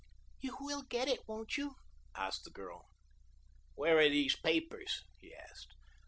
"You will get it, won't you?" asked the girl. "Where are these papers?" he asked.